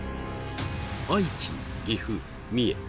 愛知岐阜三重